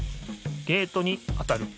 ゲートに当たる。